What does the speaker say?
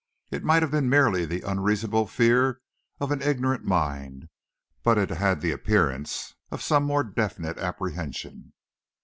It might have been merely the unreasonable fear of an ignorant mind, but it had the appearance of some more definite apprehension.